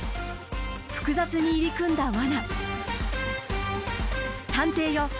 複雑に入り組んだ罠